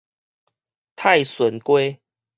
泰順街